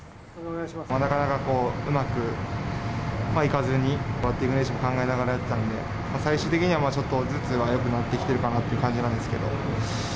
なかなかうまくいかずに、バッティング練習も考えながらやっていたんで、最終的にはちょっとずつはよくなってきてるかなという感じなんですけど。